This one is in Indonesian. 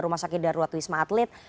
rumah sakit darurat wisma atlet